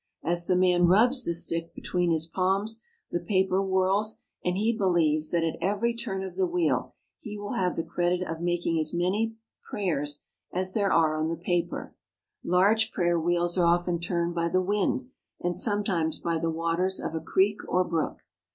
As the man rubs the stick be tween his palms, the paper whirls and he believes that at every turn of the wheel he will have the credit of making 314 TIBET AND THE TIBETANS as many prayers as there are on the paper. Large prayer wheels are often turned by the wind, and sometimes by the waters of a creek or brook.